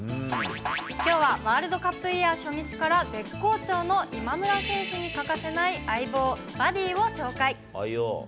きょうはワールドカップイヤー初日から絶好調の今村選手に欠かせない相棒、バディを紹介。